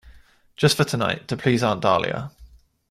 Just for tonight, to please Aunt Dahlia?